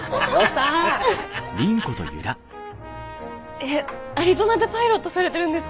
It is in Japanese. えっアリゾナでパイロットされてるんですか？